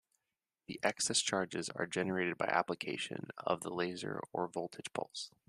The excess charges are generated by application of the laser or voltage pulse.